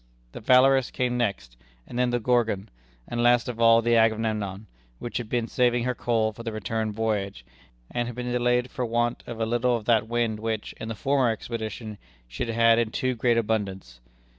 The Valorous came next, and then the Gorgon, and, last of all, the Agamemnon, which had been saving her coal for the return voyage, and had been delayed for want of a little of that wind which, in the former expedition, she had had in too great abundance.